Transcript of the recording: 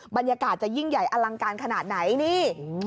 บรรยากาศจะยิ่งใหญ่อลังการขนาดไหนนี่